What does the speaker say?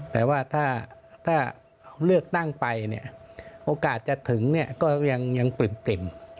แต่ว่าถ้าเลือกตั้งไปเนี่ยโอกาสจะถึงก็ยังปริ่ม